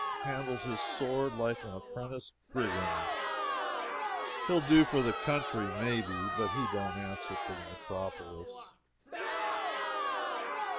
handles his sword like an apprentice brigand! he'll do for the country, may be, but he don't answer for the metropolis!"